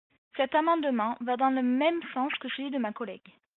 Cet amendement va dans le même sens que celui de ma collègue.